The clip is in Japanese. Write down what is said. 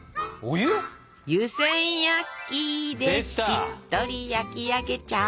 「湯せん焼き」でしっとり焼き上げちゃう。